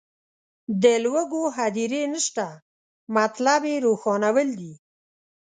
د لوږو هدیرې نشته مطلب یې روښانول دي.